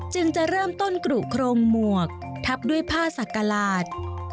จึงจะเริ่มต้นกรุโครงหมวกทับด้วยผ้าสักกระหลาด